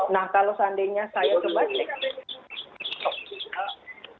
nah kalau seandainya saya kebanyakan